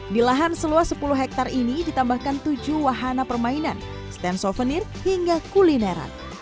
di lahan seluas sepuluh hektare ini ditambahkan tujuh wahana permainan stand souvenir hingga kulineran